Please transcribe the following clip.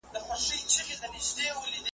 د سرکار له پوره نه سو خلاصېدلای